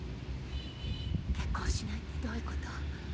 結婚しないってどういう事？